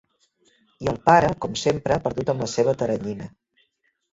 I el pare, com sempre, perdut en la seva teranyina.